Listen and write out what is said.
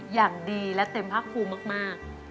อย่างดีและเต็มภาคภูมิมาก